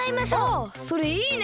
あっそれいいね。